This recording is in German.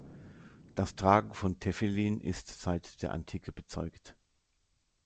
Das Tragen von Tefillin ist seit der Antike bezeugt.